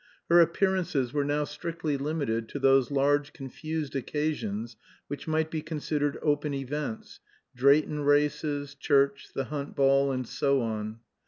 Her appearances were now strictly limited to those large confused occasions which might be considered open events Drayton races, church, the hunt ball, and so on.